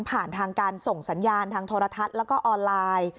ผ่านทางการส่งสัญญาณทางโทรทัศน์แล้วก็ออนไลน์